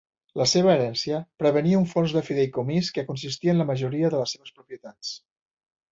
La seva herència prevenia un fons de fideïcomís que consistia en la majoria de les seves propietats.